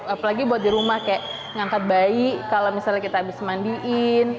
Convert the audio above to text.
apalagi buat di rumah kayak ngangkat bayi kalau misalnya kita habis mandiin